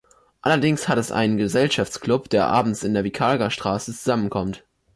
Allerdings hat es einen Gesellschaftsclub, der abends in der Vicarage-Straße zusammenkommt.